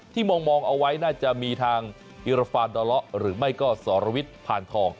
ที่มองเอาไว้น่าจะมีทางอิรฟาดระหรือไม่ก็สรวิทธิ์พานทอง